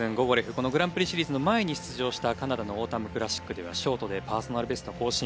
このグランプリシリーズの前に出場したカナダのオータムクラシックではショートでパーソナルベスト更新。